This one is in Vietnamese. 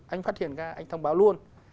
anh phát hiện ra anh thông báo luôn